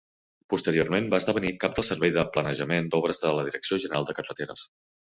Posteriorment va esdevenir cap del servei de planejament d'obres de la Direcció General de Carreteres.